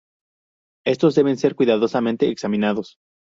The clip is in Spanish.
Estos deben ser cuidadosamente examinados.